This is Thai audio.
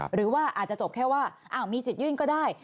หรือว่าอาจจะจบแค่ว่ามีสิทธิยื่นก็ได้